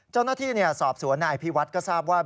เจ้าหน้าที่สอบสวนนายอภิวัฒน์ก็ทราบว่า